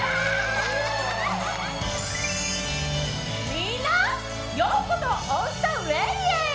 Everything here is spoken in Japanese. みんなようこそオーストラリアへ！